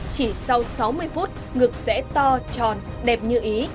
chỉ sau sáu mươi phút ngực sẽ to tròn đẹp như ý